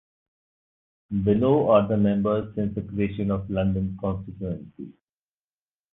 Below are all the members since the creation of the London constituency.